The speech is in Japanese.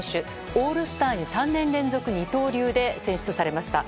オールスターに３年連続二刀流で選出されました。